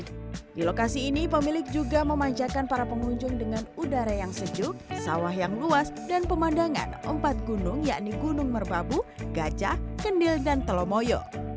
di lokasi ini pemilik juga memanjakan para pengunjung dengan udara yang sejuk sawah yang luas dan pemandangan empat gunung yakni gunung merbabu gajah kendil dan telomoyo